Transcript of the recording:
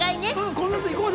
この夏行こうぜ！